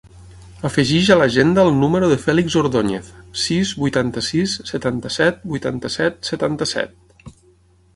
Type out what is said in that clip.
Afegeix a l'agenda el número del Fèlix Ordoñez: sis, vuitanta-sis, setanta-set, vuitanta-set, setanta-set.